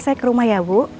saya ke rumah ya bu